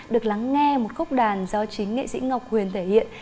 được lắng nghe một khúc đàn do chính nghệ sĩ ngọc huyền thể hiện